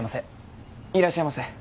いらっしゃいませ。